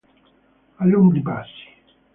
A lunghi passi.